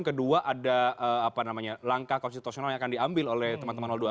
kedua ada langkah konstitusional yang akan diambil oleh teman teman dua